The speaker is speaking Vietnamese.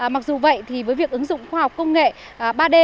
mặc dù vậy thì với việc ứng dụng khoa học công nghệ ba d